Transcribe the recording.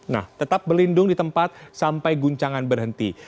nah tetap berlindung di tempat sampai guncangan berhenti